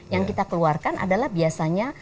yang kita keluarkan adalah biasanya